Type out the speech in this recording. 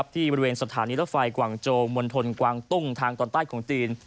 ที่บริเวณสถานีรถไฟกว่างโจงมณฑลกวางตุ้งทางตอนใต้ของจีน